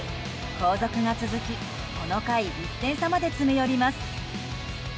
後続が続きこの回１点差まで詰め寄ります。